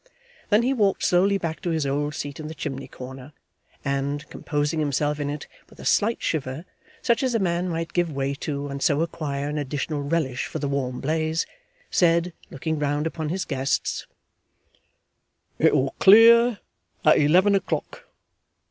Then he walked slowly back to his old seat in the chimney corner, and, composing himself in it with a slight shiver, such as a man might give way to and so acquire an additional relish for the warm blaze, said, looking round upon his guests: 'It'll clear at eleven o'clock.